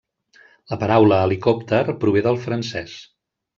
La paraula 'helicòpter' prové del francès.